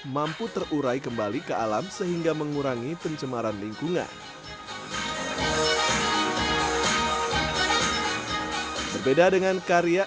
mampu terurai kembali ke alam sehingga mengurangi pencemaran lingkungan berbeda dengan karya